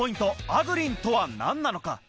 「アグリン」とは何なのか？